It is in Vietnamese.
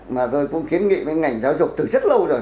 mà tôi cũng kiến nghị với ngành giáo dục từ rất lâu rồi